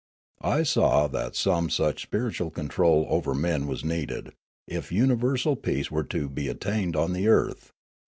I saw that some such spir itual control over men was needed, if universal peace were to be attained on the earth.